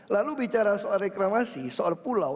lalu bicara soal reklamasi soal pulau